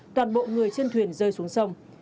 toàn bộ người trên thuyền rơi xuống sông